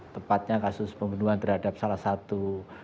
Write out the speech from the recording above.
yang diperlukan oleh pelaku